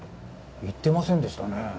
言ってませんでしたね。